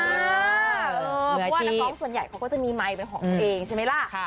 เพราะว่านักร้องส่วนใหญ่เขาก็จะมีไมค์เป็นของตัวเองใช่ไหมล่ะ